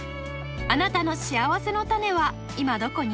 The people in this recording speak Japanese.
あなたのしあわせのたねは今どこに？